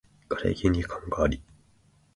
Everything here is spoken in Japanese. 枯木に寒鴉あり